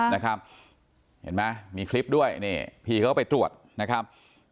นะครับเห็นมั้ยมีคลิปด้วยพี่เข้าไปตรวจนะครับ